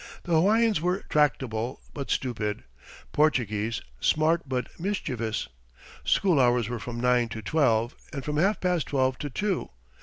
The Hawaiians were tractable, but stupid; Portuguese, smart but mischievous. School hours were from nine to twelve, and from half past twelve to two.